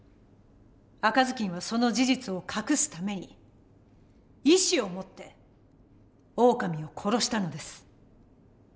赤ずきんはその事実を隠すために意思を持ってオオカミを殺したのです。